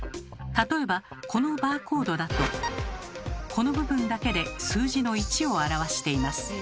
例えばこのバーコードだとこの部分だけで数字の１を表しています。